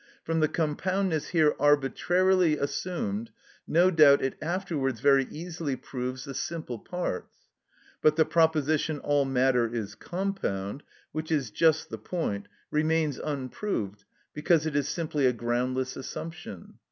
From the compoundness here arbitrarily assumed, no doubt it afterwards very easily proves the simple parts. But the proposition, "All matter is compound," which is just the point, remains unproved, because it is simply a groundless assumption.